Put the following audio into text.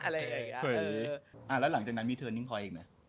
แล้วหลังจากนั้นมีเถิดนิ่งค่อยไอ้กันอะ